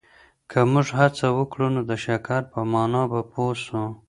که موږ هڅه وکړو نو د شکر په مانا به پوه سو.